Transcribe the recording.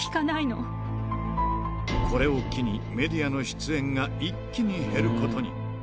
これを機に、メディアの出演が一気に減ることに。